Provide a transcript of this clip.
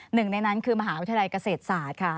หนึ่งในนั้นคือมหาวิทยาลัยเกษตรศาสตร์ค่ะ